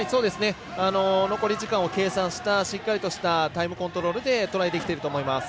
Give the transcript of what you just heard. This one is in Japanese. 残り時間を計算したしっかりとしたタイムコントロールでトライできてると思います。